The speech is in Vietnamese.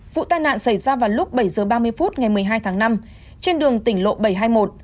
vụ tai nạn xảy ra vào lúc bảy h ba mươi phút ngày một mươi hai tháng năm trên đường tỉnh lộ bảy trăm hai mươi một